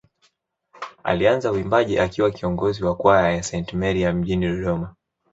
Alianza uimbaji akiwa kiongozi wa kwaya ya Saint Mary ya mjini Dodoma